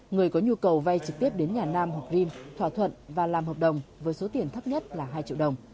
người có nhu cầu vay trực tiếp đến nhà nam hoặc vim thỏa thuận và làm hợp đồng với số tiền thấp nhất là hai triệu đồng